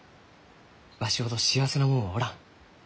わしほど幸せな者はおらん。